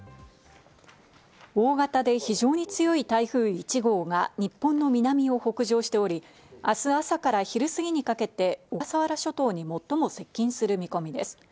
大型で非常に強い台風１号が日本の南を北上しており、明日朝から昼過ぎにかけて小笠原諸島に最も接近する見込みです。